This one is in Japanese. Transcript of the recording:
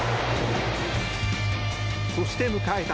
そして迎えた